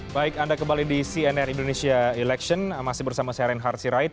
baik anda kembali di cnn indonesia election masih bersama saya reinhard sirait